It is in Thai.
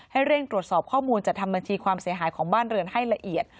เร่งตรวจสอบข้อมูลจัดทำบัญชีความเสียหายของบ้านเรือนให้ละเอียด